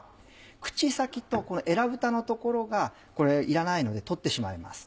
口先とえらぶたの所がこれいらないので取ってしまいます。